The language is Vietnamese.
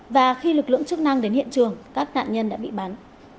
và khi lực lượng chức năng đến hiện trường các nạn nhân đã bị bắn